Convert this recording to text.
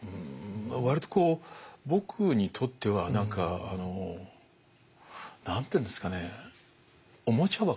割とこう僕にとっては何か何て言うんですかねおもちゃ箱。